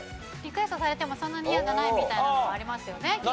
リクエストされてもそんなに嫌じゃないみたいなのもありますよね？